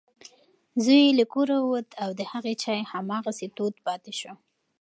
زوی یې له کوره ووت او د هغې چای هماغسې تود پاتې شو.